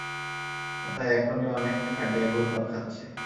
মাথায় এখনি অনেক আইডিয়া ঘুরপাক খাচ্ছে।